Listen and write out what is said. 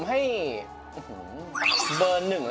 ไม่จุดหนึ่ง